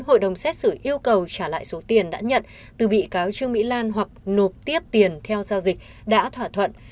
hội đồng xét xử yêu cầu trả lại số tiền đã nhận từ bị cáo trương mỹ lan hoặc nộp tiếp tiền theo giao dịch đã thỏa thuận